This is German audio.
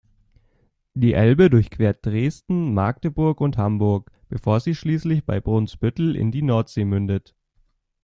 Die Elbe durchquert Dresden, Magdeburg und Hamburg, bevor sie schließlich bei Brunsbüttel in die Nordsee mündet.